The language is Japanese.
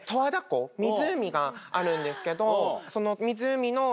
湖があるんですけどその。